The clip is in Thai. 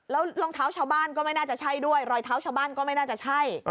แล้วรองเท้าชาวบ้านก็ไม่น่าจะใช่ด้วยรอยเท้าชาวบ้านก็ไม่น่าจะใช่